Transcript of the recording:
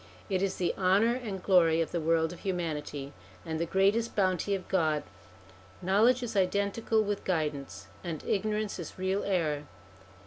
It is the honour and glory of the world of humanity, and the greatest bounty of God. Knowledge is identical with guidance, and ignorance is real error.